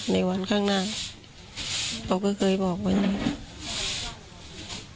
ในวันข้างหน้าเขาก็เคยบอกไว้อย่างนี้